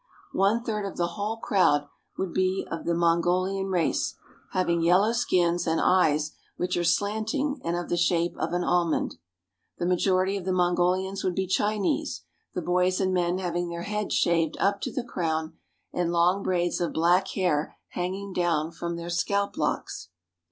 One third of the whole crowd would be of the Mongolian race, having yellow skins, and eyes which are slanting and of the shape of an almond. The majority of the Mongolians would be Chinese, the boys and men having their heads shaved up to the crown and long braids of black hair hang ing down from their scalp locks.